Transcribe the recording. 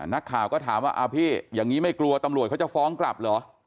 นักข่าวก็ถามว่าพี่อย่างนี้ไม่กลัวตำรวจเขาจะฟ้องกลับเหรอ